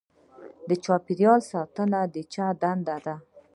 د چاپیریال ساتنه د چا دنده ده؟